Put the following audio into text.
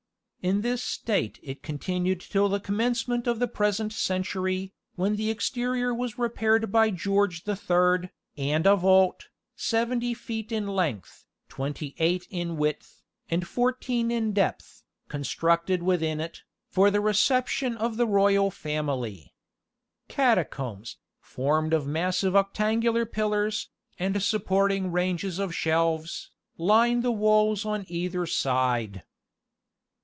In this state it continued till the commencement of the present century, when the exterior was repaired by George the Third, and a vault, seventy feet in length, twenty eight in width, and fourteen in depth, constructed within it, for the reception of the royal family. Catacombs, formed of massive octangular pillars, and supporting ranges of shelves, line the walls on either side.